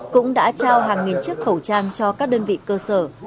cũng đã trao hàng nghìn chiếc khẩu trang cho các đơn vị cơ sở